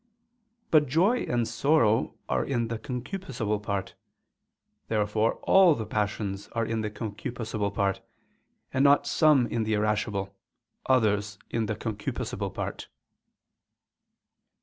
But joy and sorrow are in the concupiscible part. Therefore all the passions are in the concupiscible part, and not some in the irascible, others in the concupiscible part.